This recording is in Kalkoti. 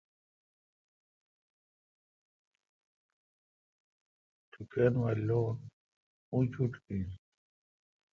ٹوکان وا لون اوشٹ این۔